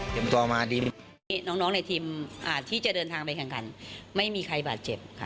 ตัวมาทีมน้องในทีมที่จะเดินทางไปแข่งขันไม่มีใครบาดเจ็บค่ะ